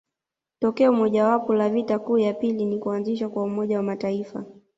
Tokeo mojawapo la vita kuu ya pili ni kuanzishwa kwa Umoja wa mataifa